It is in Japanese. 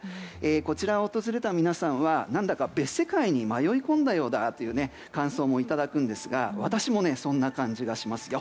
こちらを訪れた皆さんは何だか別世界に迷い込んだようだという感想もいただくんですが私もそんな感じがしますよ。